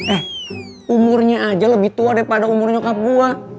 eh umurnya aja lebih tua daripada umur nyokap gue